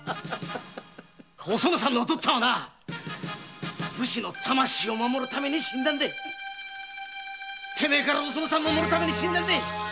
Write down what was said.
おそのさんのお父っつぁんは武士の魂を守るためにテメェからおそのさんを守るために死んだんだ